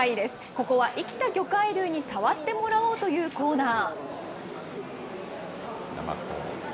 ここは生きた魚介類に触ってもらおうというコーナー。